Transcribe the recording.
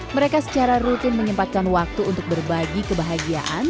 mereka secara rutin menyempatkan waktu untuk berbagi kebahagiaan